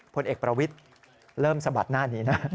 ผลเอกประวิทย์เริ่มสะบัดหน้านี้นะ